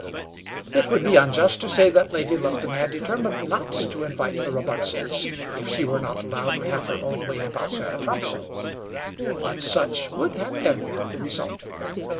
It would be unjust to say that Lady Lufton had determined not to invite the Robartses if she were not allowed to have her own way about Sarah Thompson. But such would have been the result.